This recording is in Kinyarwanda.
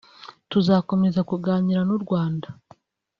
tuzakomeza kuganira n’u Rwanda